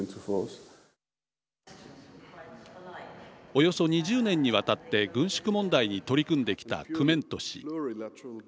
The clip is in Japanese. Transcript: およそ２０年にわたって軍縮問題に取り組んできたクメント氏。